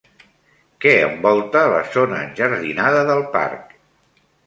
Què envolta la zona enjardinada del parc?